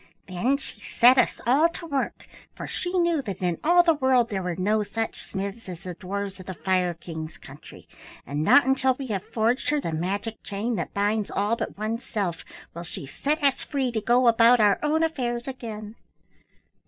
Then she set us all to work, for she knew that in all the world there were no such smiths as the dwarfs of the Fire King's country, and not until we have forged her the magic chain that binds all but one's self will she set us free to go about out own affairs again.